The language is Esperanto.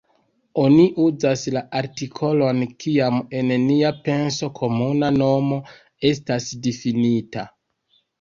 Oni uzas la artikolon kiam en nia penso komuna nomo estas difinita.